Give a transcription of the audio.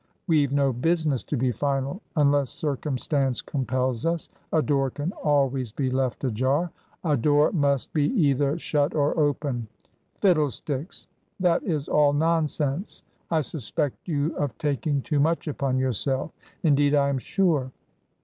We've no business to be final — unless circumstance compels us. A door can always be left ajar." " A door must be either shut or open." " Fiddlesticks ! That is all nonsense. I suspect you of taking too much upon yourself. Indeed, I am sure."